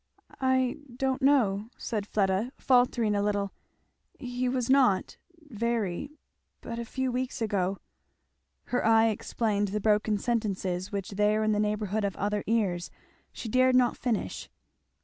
"I don't know," said Fleda faltering a little, "he was not very, but a few weeks ago " Her eye explained the broken sentences which there in the neighbourhood of other ears she dared not finish.